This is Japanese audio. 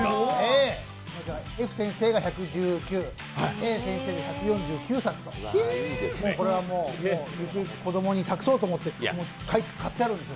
Ｆ先生が１１９、Ａ先生が１４８冊、これはゆくゆく子供に託そうと思って買ってあるんですよ。